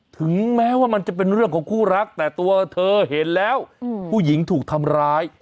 ถึงแม้ว่ามันจะเป็นเรื่องของคู่รักแต่ตัวเธอเห็นแล้วผู้หญิงถูกทำร้าย